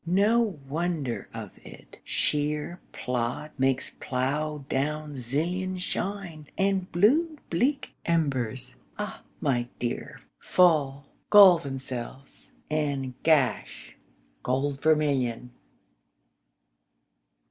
No wonder of it: shéer plód makes plough down sillion Shine, and blue bleak embers, ah my dear, Fall, gall themselves, and gash gold vermilion.